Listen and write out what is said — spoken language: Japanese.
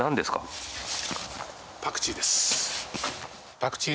パクチー！